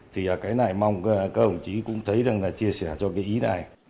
thì cái này mong các ông chí cũng thấy rằng là chia sẻ cho cái ý này